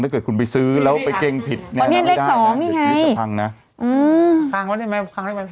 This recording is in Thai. แต่เกิดคุณไปซื้อแล้วไปเกรงผิดเนี้ยน่าไปได้ตอนเนี้ยเลข๒นี่ไง